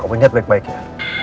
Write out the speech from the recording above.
kamu lihat baik baik ya